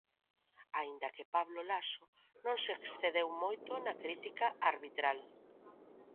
Aínda que Pablo Laso non se excedeu moito na crítica arbitral.